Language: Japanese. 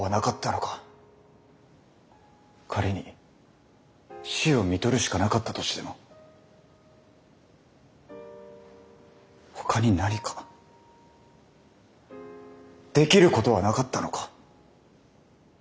仮に死をみとるしかなかったとしてもほかに何かできることはなかったのか。